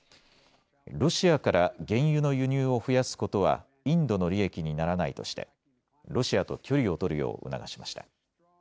ロシアから原油の輸入を増やすことはインドの利益にならないとしてロシアと距離を取るよう促しました。